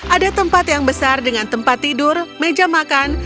ada tempat yang besar dengan tempat tidur meja makan